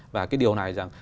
và cái điều này rằng